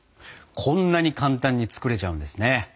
こんなに簡単に作れちゃうんですね。